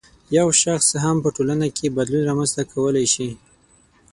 یو شخص هم په ټولنه کې بدلون رامنځته کولای شي